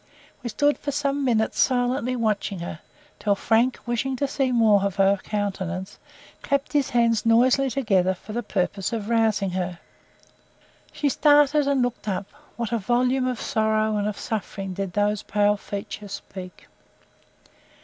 We stood for some minutes silently watching her, till Frank, wishing to see more of her countenance, clapped his hands noisily together for the purpose of rousing her. She started, and looked up. What a volume of sorrow and of suffering did those pale features speak!